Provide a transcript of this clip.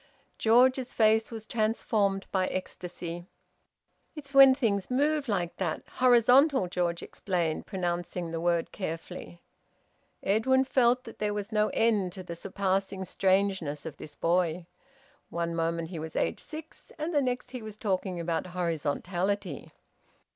George's face was transformed by ecstasy. "It's when things move like that horizontal!" George explained, pronouncing the word carefully. Edwin felt that there was no end to the surpassing strangeness of this boy. One moment he was aged six, and the next he was talking about horizontality.